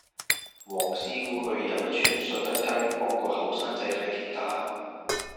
黃師傅去又一村述德街幫個後生仔睇跌打